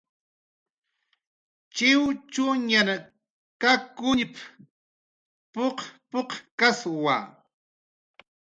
"Chiwchuñan kakuñp"" p""uq p""uqkkaswa"